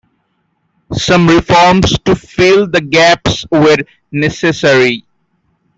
Some reforms to fill the gaps were necessary.